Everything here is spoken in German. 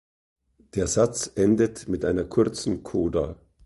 Der Satz endet mit einer kurzen Coda.